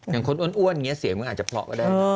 อย่างคนอ้วนเหมือนเสียงมันอาจจะเพราะก็ได้